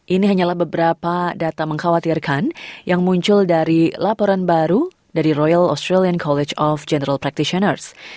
ini hanyalah beberapa data mengkhawatirkan yang muncul dari laporan baru dari royal australian college of general practitioners